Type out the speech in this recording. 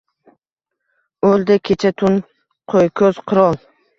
O‘ldi kecha tun qo‘yko‘z qirol.